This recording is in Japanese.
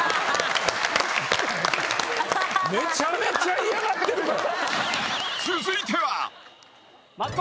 めちゃめちゃ嫌がってるから。